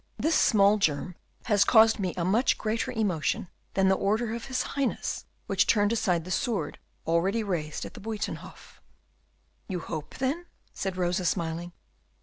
This small germ has caused me a much greater emotion than the order of his Highness which turned aside the sword already raised at the Buytenhof." "You hope, then?" said Rosa, smiling.